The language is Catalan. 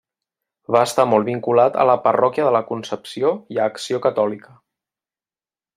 Va estar molt vinculat a la Parròquia de la Concepció i a Acció Catòlica.